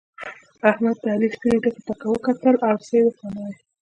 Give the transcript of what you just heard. احمد د علي سپينو ډکو ته وکتل او څه يې ورته و نه ويل.